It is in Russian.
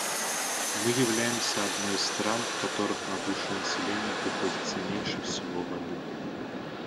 Мы являемся одной из стран, в которых на душу населения приходится меньше всего воды.